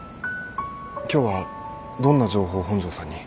今日はどんな情報を本庄さんに？